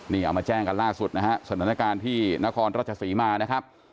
นี่เอามาแจ้งกันล่าสุดนะฮะสถานการณ์ที่นครราชศรีมานะครับ